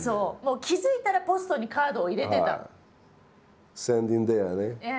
気付いたらポストにカードを入れてたの。